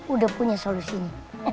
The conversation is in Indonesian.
udah punya solusinya